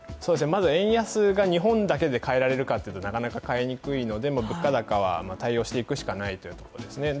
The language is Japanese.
まず円安が日本だけで変えられるかというとなかなか変えにくいので、物価高は対応していくしかないというところですね。